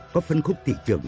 có phân khúc thị trường